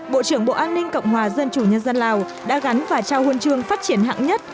bộ trưởng bộ an ninh cộng hòa dân chủ nhân dân lào đã gắn và trao huân chương phát triển hạng nhất